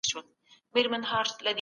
هڅه وکړئ چي سياسي سيالي تل سوله ييزه وي.